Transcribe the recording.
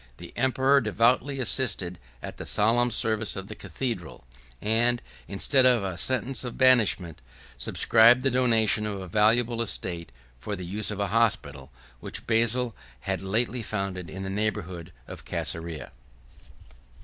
The emperor devoutly assisted at the solemn service of the cathedral; and, instead of a sentence of banishment, subscribed the donation of a valuable estate for the use of a hospital, which Basil had lately founded in the neighborhood of Cæsarea.